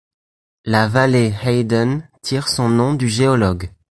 La vallée Hayden tire son nom du géologue.